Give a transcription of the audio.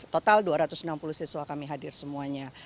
total dua ratus enam puluh siswa kami hadir semuanya